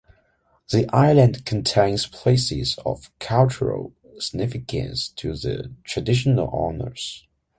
The island contains places of cultural significance to the traditional owners.